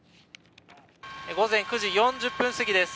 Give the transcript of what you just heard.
午前９時４０分過ぎです。